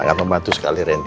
akan membantu sekali randy